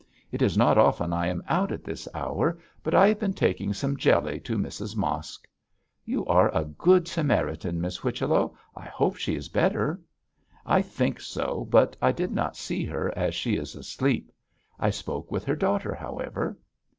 'It is not often I am out at this hour, but I have been taking some jelly to Mrs Mosk.' 'You are a good Samaritan, Miss Whichello. I hope she is better?' 'I think so, but I did not see her, as she is asleep. I spoke with her daughter, however.'